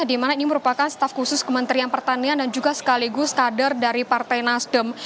di mana ini merupakan staf khusus kementerian pertanian dan juga sekaligus kader dari partai nasdem